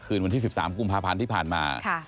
ช่วงวัน๑๓กุมภาพันธ์ที่ผ่านมา